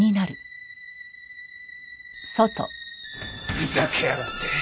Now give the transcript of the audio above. ふざけやがって。